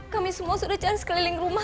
kami semua sudah cari sekeliling rumah